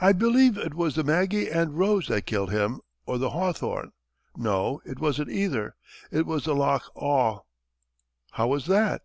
I believe it was the 'Maggie and Rose' that killed him, or the 'Hawthorn.' No; it wasn't either. It was the 'Loch Awe.'" "How was that?"